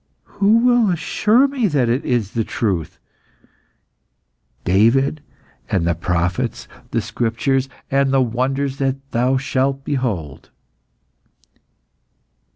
"Who will assure me that it is the truth?" "David and the prophets, the Scriptures, and the wonders that thou shalt behold."